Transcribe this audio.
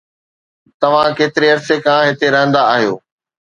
توهان ڪيتري عرصي کان هتي رهندا آهيو؟